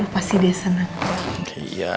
pasti dia senang